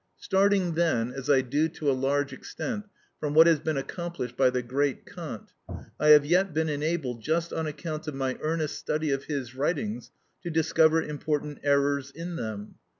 Starting then, as I do to a large extent, from what has been accomplished by the great Kant, I have yet been enabled, just on account of my earnest study of his writings, to discover important errors in them.